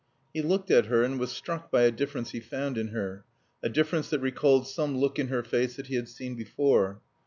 He looked at her and was struck by a difference he found in her, a difference that recalled some look in her face that he had seen before.